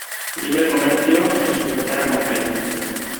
Libre comercio en su frontera con Perú.